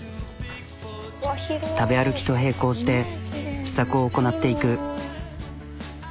食べ歩きと並行して試作を行なっていく。